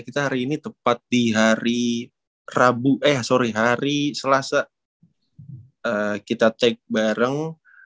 kita hari ini tepat di hari selasa kita tag bareng